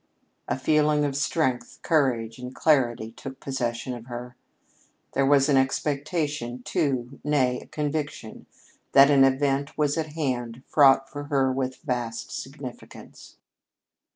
A feeling of strength, courage, and clarity took possession of her. There was an expectation, too, nay, the conviction, that an event was at hand fraught for her with vast significance.